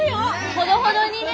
ほどほどにね。